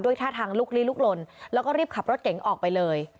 ท่าทางลุกลีลุกลนแล้วก็รีบขับรถเก๋งออกไปเลย